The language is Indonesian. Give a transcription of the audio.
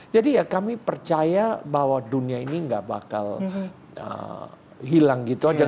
jadi ya kami percaya bahwa dunia ini gak bakal hilang gitu aja